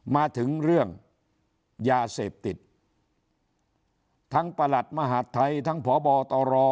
มาถึงเรื่องยาเสพติดทั้งประหลัดมหาดไทยทั้งพบตร